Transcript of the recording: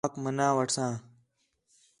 ماک مُنّا وٹھساں